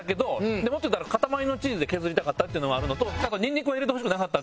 でもっと言ったら塊のチーズで削りたかったっていうはあるのとにんにくを入れてほしくなかった。